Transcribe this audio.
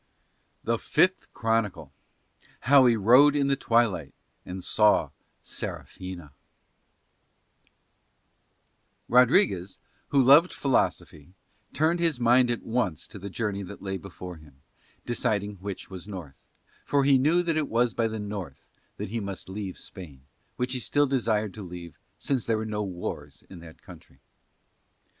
THE FIFTH CHRONICLE HOW HE RODE IN THE TWILIGHT AND SAW SERAFINA Rodriguez, who loved philosophy, turned his mind at once to the journey that lay before him, deciding which was the north; for he knew that it was by the north that he must leave Spain, which he still desired to leave since there were no wars in that country.